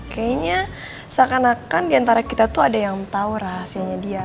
kayaknya seakan akan diantara kita tuh ada yang tahu rahasianya dia